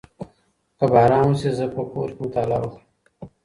که باران وشي زه به په کور کي مطالعه وکړم.